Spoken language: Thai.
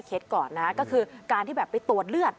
ก็คือการที่แบบไปตรวจเลือด